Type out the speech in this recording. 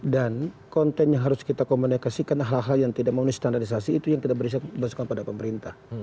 dan konten yang harus kita komunikasikan hal hal yang tidak memiliki standarisasi itu yang kita berikan pada pemerintah